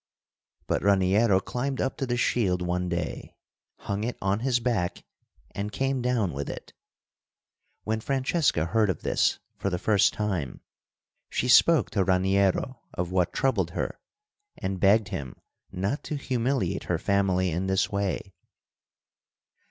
But Raniero climbed up to the shield one day, hung it on his back, and came down with it. When Francesca heard of this for the first time she spoke to Raniero of what troubled her, and begged him not to humiliate her family in this way.